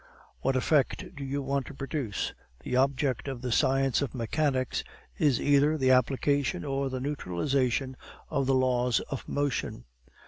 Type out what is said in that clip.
What effect do you want to produce? The object of the science of mechanics is either the application or the neutralization of the laws of motion.